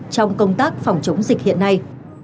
trong công tác phòng chống dịch hiện nay